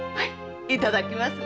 いただきます。